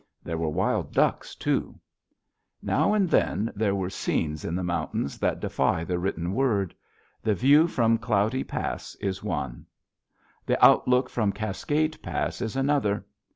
There were wild ducks also. Now and then there are scenes in the mountains that defy the written word. The view from Cloudy Pass is one; the outlook from Cascade Pass is another.